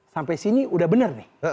sampai sini udah bener nih